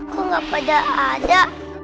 kok gak pada ada